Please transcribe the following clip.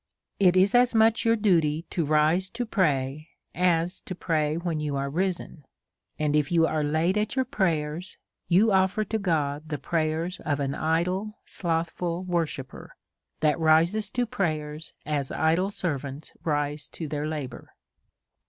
It is as much your duty to rise to pray as to pray when you are risen. And if you are late at your pray ers^ you offer to God the prayers of an idle, slothful worshipper, that rises to prayers as idle servants rise to their labour.